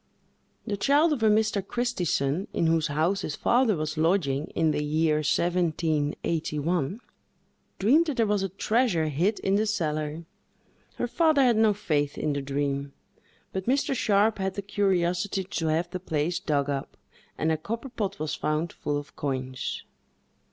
The child of a Mr. Christison, in whose house his father was lodging, in the year 1781, dreamed that there was a treasure hid in the cellar. Her father had no faith in the dream; but Mr. Sharpe had the curiosity to have the place dug up, and a copper pot was found, full of coins.